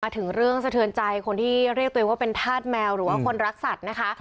ถึงเรื่องสะเทือนใจคนที่เรียกตัวเองว่าเป็นธาตุแมวหรือว่าคนรักสัตว์นะคะ